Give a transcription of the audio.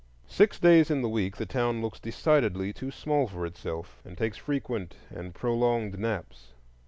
Six days in the week the town looks decidedly too small for itself, and takes frequent and prolonged naps.